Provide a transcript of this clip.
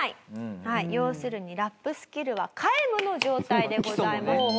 要するにラップスキルは皆無の状態でございます。